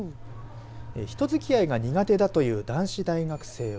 人付き合いが苦手だという男子大学生は。